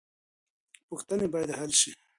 پوښتنې بايد حل سي.